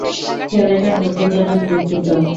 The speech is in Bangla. ছেলেটার মৃত্যুর জন্য আমি দুঃখিত!